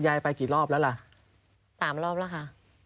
ยายไปกี่รอบแล้วล่ะ๓รอบแล้วค่ะ